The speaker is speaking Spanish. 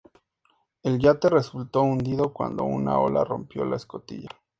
El yate resultó hundido cuando una ola rompió la escotilla.